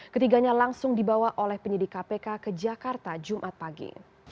ketiganya langsung dibawa oleh penyidik kpk ke jakarta jumat pagi